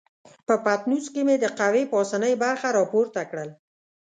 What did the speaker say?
په پتنوس کې مې د قهوې پاسنۍ برخه را پورته کړل.